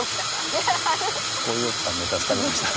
こういう奥さんで助かりました。